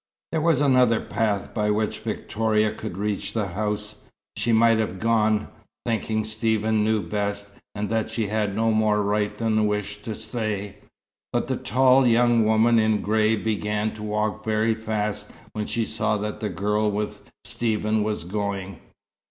There was another path by which Victoria could reach the house. She might have gone, thinking that Stephen knew best, and that she had no more right than wish to stay, but the tall young woman in grey began to walk very fast, when she saw that the girl with Stephen was going.